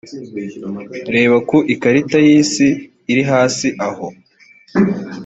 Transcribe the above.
reba ku ikarita y’isi iri hasi aho.